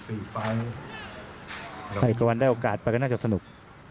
อีกกว่าวันได้โอกาสไปก็น่าจะสนุก